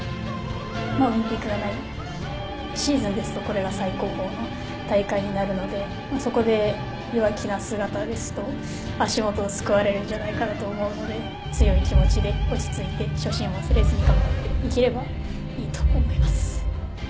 オリンピックがないシーズンですとこれが最高峰の大会になるのでそこで弱気な姿を見せると足元をすくわれると思うので、強い気持ちで落ち着いて初心を忘れずに頑張っていければいいと思っています。